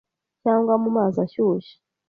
cyangwa mu mazi ashyushye